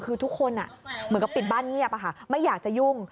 คือทุกคนเหมือนกับปิดบ้านเงียบไม่อยากจะยุ่ง